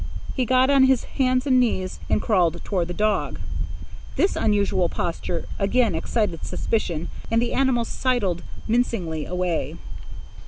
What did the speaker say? He got on his hands and knees and crawled toward the dog. This unusual posture again excited suspicion, and the animal sidled mincingly away.